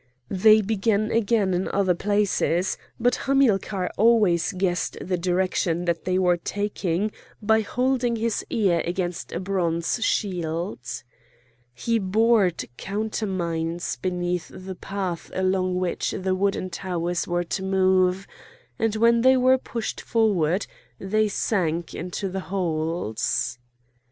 They began again in other places, but Hamilcar always guessed the direction that they were taking by holding his ear against a bronze shield. He bored counter mines beneath the path along which the wooden towers were to move, and when they were pushed forward they sank into the holes.